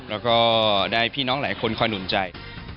แล้วก็ได้พี่น้องหลายคนคอยหนุนใจ